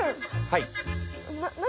はい。